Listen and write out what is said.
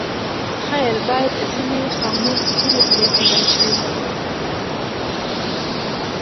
خیر باید ځینې خانې سپینې پرېښودل شوې وای.